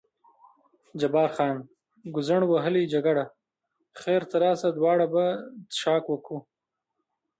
جبار خان: ګوزڼ وهلې جګړه، خیر ته راشه دواړه به څښاک وکړو.